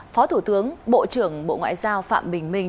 phó thủ tướng bộ trưởng bộ ngoại giao phạm bình minh